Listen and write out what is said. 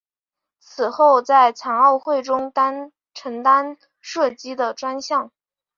此后在残奥会中承担射击的专项。